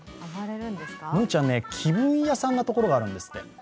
ムーちゃん、気分屋さんなところがあるんですって。